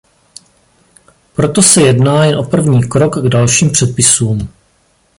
Proto se jedná jen o první krok k dalším předpisům.